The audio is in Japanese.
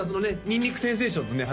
ニンニクセンセーションのね